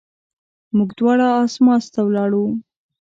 موږ دواړه اسماس ته ولاړو.